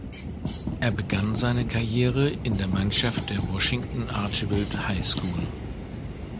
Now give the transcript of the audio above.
Er begann seine Karriere in der Mannschaft der "Washington Archibald High School".